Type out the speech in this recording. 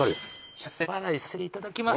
出世払いさせていただきます。